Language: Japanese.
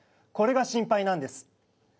これが心配なんです。